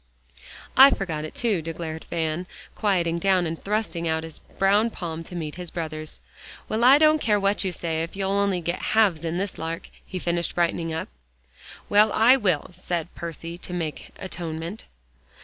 "I forgot it, too," declared Van, quieting down, and thrusting out his brown palm to meet his brother's. "Well, I don't care what you say if you'll only go halves in this lark," he finished, brightening up. "Well, I will," said Percy, to make atonement.